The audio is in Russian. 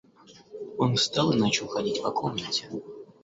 Он встал и начал ходить по комнате.